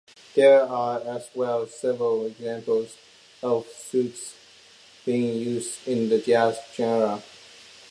There are as well several examples of suites being used in the jazz genre.